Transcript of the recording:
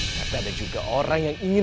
tapi ada juga orang yang ingin